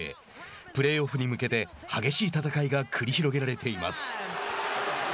プレーオフに向けて激しい戦いが繰り広げられています。